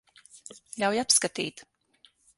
Ļauj apskatīt.